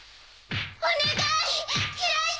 お願い！